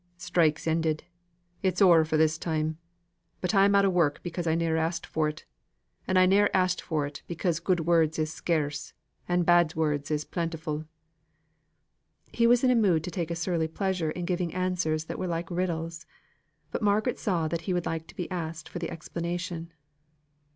"Strike's ended. It's o'er for this time. I'm out o' work because I ne'er asked for it. And I ne'er asked for it, because good words is scarce, and bad words is plentiful." He was in a mood to take a surly pleasure in giving answers that were like riddles. But Margaret saw that he would like to be asked for the explanation.